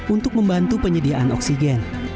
untuk membantu penyediaan oksigen